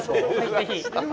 ぜひ。